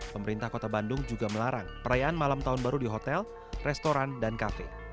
pemerintah kota bandung juga melarang perayaan malam tahun baru di hotel restoran dan kafe